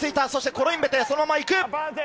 コロインベテがそのまま行く。